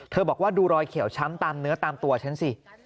บอกว่าดูรอยเขียวช้ำตามเนื้อตามตัวฉันสิ